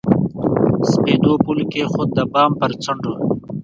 سپېدو پل کښېښود، د بام پر څنډو